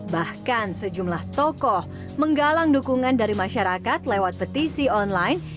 bahkan sejumlah tokoh menggalang dukungan dari masyarakat lewat petisi online